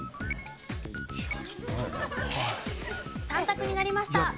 ３択になりました。